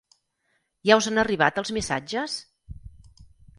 Ja us han arribat els missatges?